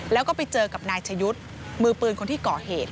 แล้วก็ไปเจอกับนายชะยุทธ์มือปืนคนที่ก่อเหตุ